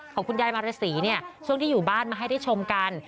ของคุณยายมารสีเนี่ยช่วงที่อยู่บ้านมาให้ได้ชมกัน